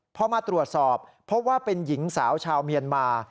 พอมาตรวจสอบพบว่าเป็นหญิงสาวชาวเมียนมา